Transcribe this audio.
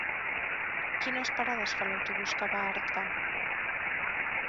Quines parades fa l'autobús que va a Artà?